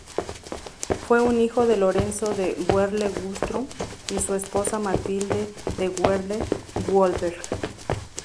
Fue un hijo de Lorenzo de Werle-Güstrow y su esposa Matilde de Werle-Goldberg.